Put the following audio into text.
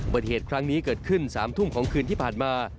เหตุครั้งนี้เกิดขึ้น๓ทุ่มของคืนที่ผ่านมา